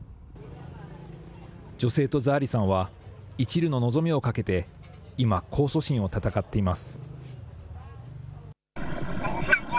女性とザー・リさんは、いちるの望みをかけて、今、控訴審を闘っています。